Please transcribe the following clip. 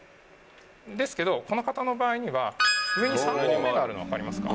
ですけどこの方の場合には３本目があるの分かりますか？